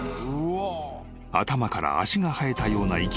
［頭から足が生えたような生き物が］